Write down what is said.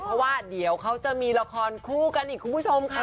เพราะว่าเดี๋ยวเขาจะมีละครคู่กันอีกคุณผู้ชมค่ะ